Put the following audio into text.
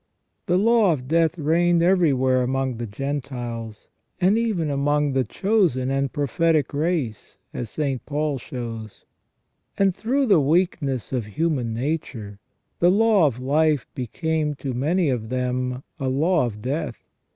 The law of death reigned every where among the Gentiles, and even among the chosen and pro phetic race, as St. Paul shows ; and through the weakness of human nature, the law of life became to many of them a law of death.